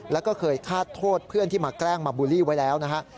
แล้วก็เคยฆาตโทษเพื่อนที่มาแกล้งมาบูลลี่ไว้แล้วนะฮะ